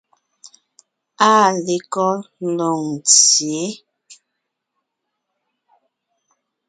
Áa lekɔ́ Loŋtsyě?